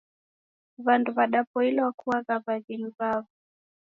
Wandu wadapoila kuagha waghenyi wawo.